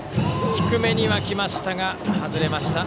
低めには来ましたが外れました。